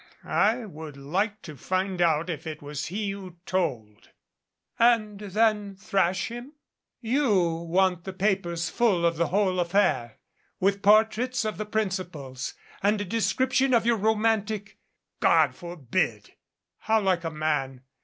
"Er I would like to find out if it was he who told." "And then thrash him? You want the papers full of the whole affair, with portraits of the principals, and a description of your romantic " "God forbid!" "How like a man!